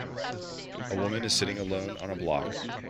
A woman is sitting alone on a block.